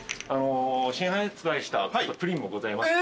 新発売したプリンもございまして。